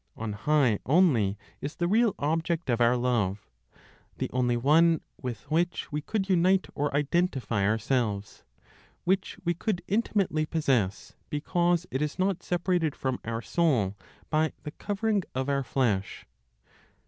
On high only is the real object of our love; the only one with which we could unite or identify ourselves, which we could intimately possess, because it is not separated from our soul by the covering of our flesh.